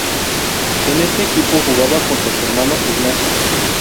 En este equipo jugaba junto a su hermano Ignacio.